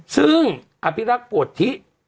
ซึ่งอภิรักษ์ปวดทิ